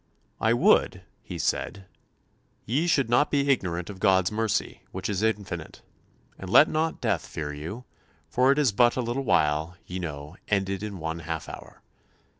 "I would," he said, "ye should not be ignorant of God's mercy, which is infinite. And let not death fear you, for it is but a little while, ye know, ended in one half hour.